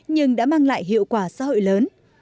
nhưng đã mang lại hiệu quả xã hội lớn